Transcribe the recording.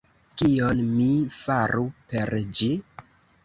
Kion mi faru per ĝi...